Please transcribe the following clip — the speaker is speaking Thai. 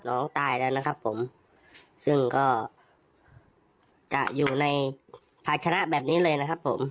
น้องตายแล้วนะครับผมซึ่งก็จะอยู่ในภาชนะแบบนี้เลยนะครับผม